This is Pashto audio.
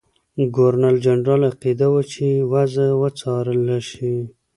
ګورنرجنرال عقیده وه چې وضع وڅارله شي.